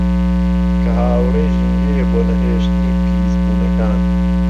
کە هاوڕێی ژینگەیە بۆ نەهێشتنی پیسبوونەکان